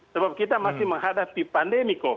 sebab kita masih menghadapi pandemi kok